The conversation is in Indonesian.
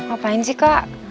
apain sih kak